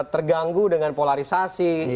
terganggu dengan polarisasi